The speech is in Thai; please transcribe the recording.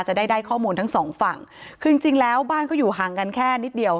จะได้ได้ข้อมูลทั้งสองฝั่งคือจริงจริงแล้วบ้านเขาอยู่ห่างกันแค่นิดเดียว